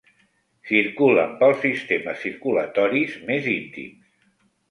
Circulen pels sistemes circulatoris més íntims.